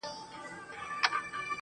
په خپل کتاب «اشارات او تنبیهات» کې